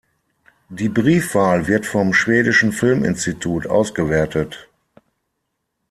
Die Briefwahl wird vom Schwedischen Filminstitut ausgewertet.